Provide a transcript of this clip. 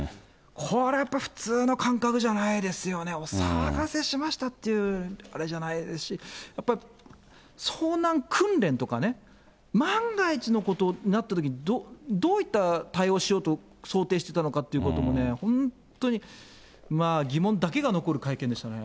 これやっぱり普通の感覚じゃないですよね、お騒がせしましたってあれじゃないですし、やっぱり遭難訓練とかね、万が一のことになったときに、どういった対応しようと想定してたのかっていうこともね、本当に疑問だけが残る会見でしたね。